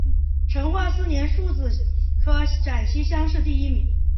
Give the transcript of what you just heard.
成化四年戊子科陕西乡试第一名。